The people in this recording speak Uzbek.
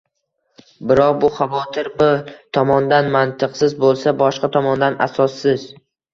Biroq bu xavotir bir tomondan mantiqsiz bo‘lsa, boshqa tomondan asossiz